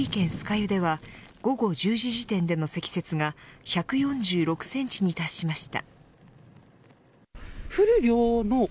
湯では午後１０時時点での積雪が１４６センチに達しました。